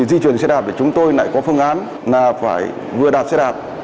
di chuyển xe đạp thì chúng tôi lại có phương án là phải vừa đạp xe đạp